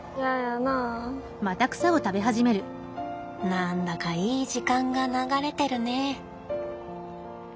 何だかいい時間が流れてるね。